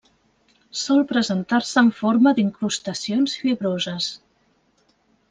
Sol presentar-se en forma d'incrustacions fibroses.